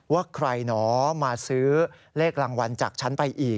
ว่าใครหนอมาซื้อเลขรางวัลจากฉันไปอีก